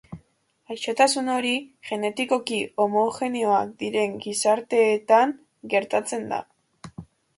Gaixotasun hori genetikoki homogeneoak diren gizarteetan gertatzen da.